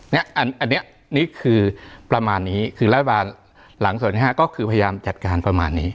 อันนี้นี่คือประมาณนี้คือรัฐบาลหลังส่วนที่๕ก็คือพยายามจัดการประมาณนี้